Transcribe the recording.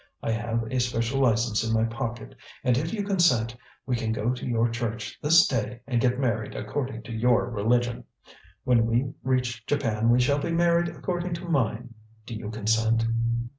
I have a special license in my pocket, and if you consent we can go to your church this day and get married according to your religion. When we reach Japan we shall be married according to mine. Do you consent?"